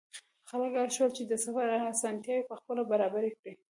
خلک اړ شول چې د سفر اسانتیاوې پخپله برابرې کړي.